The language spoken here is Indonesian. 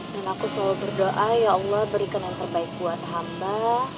dan aku selalu berdoa ya allah berikan yang terbaik buat hamba